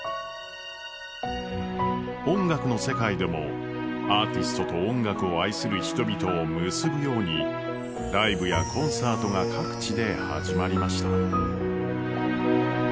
音楽の世界でもアーティストと音楽を愛する人々を結ぶようにライブやコンサートが各地で始まりました。